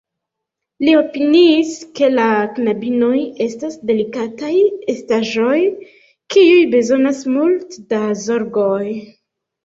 Li opiniis, ke la knabinoj estas delikataj estaĵoj, kiuj bezonas multe da zorgoj.